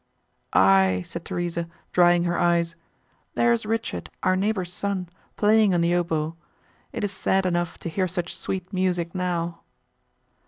"Aye," said Theresa, drying her eyes, "there is Richard, our neighbour's son, playing on the oboe; it is sad enough, to hear such sweet music now."